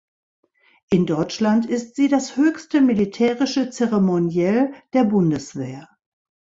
In Deutschland ist sie das höchste militärische Zeremoniell der Bundeswehr.